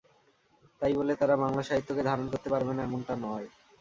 তাই বলে তাঁরা বাংলা সাহিত্যকে ধারণ করতে পারবে না, এমনটা নয়।